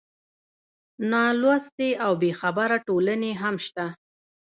نالوستې او بېخبره ټولنې هم شته.